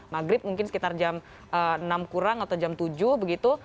maghrib mungkin sekitar jam enam kurang atau jam tujuh begitu